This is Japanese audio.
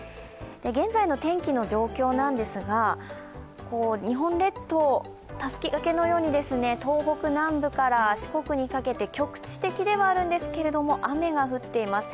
現在の天気の状況なんですが日本列島、たすき掛けのように東北南部から四国にかけて局地的ではあるんですけども、雨が降っています。